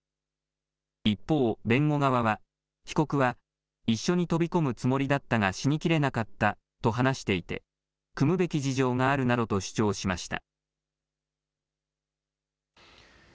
一方、弁護側は被告は一緒に飛び込むつもりだったが死にきれなかったと話していて酌むべき事情があるなどと主張しました。